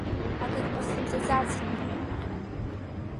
Акагь ҟасымҵаӡац, — лҳәеит.